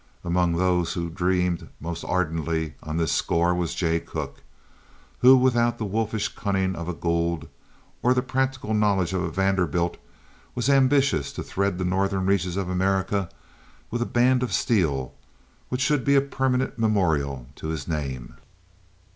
Among those who dreamed most ardently on this score was Jay Cooke, who without the wolfish cunning of a Gould or the practical knowledge of a Vanderbilt, was ambitious to thread the northern reaches of America with a band of steel which should be a permanent memorial to his name.